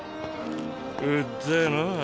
うっぜぇなぁ。